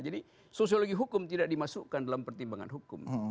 jadi sosiologi hukum tidak dimasukkan dalam pertimbangan hukum